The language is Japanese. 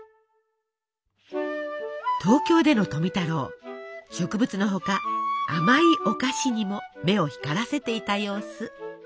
東京での富太郎植物の他甘いお菓子にも目を光らせていた様子。